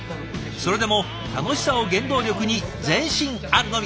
それでも楽しさを原動力に前進あるのみ。